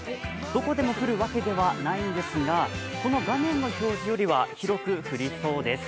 どこでも降るわけではないんですが、この画面の表示よりは広く降りそうです。